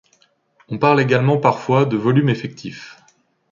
On parle également parfois de volume effectif.